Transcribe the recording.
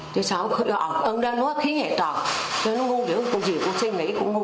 chứ sao cô đơn nó khí nghệ tọt cô đơn nó ngu cô gì cô suy nghĩ cô ngu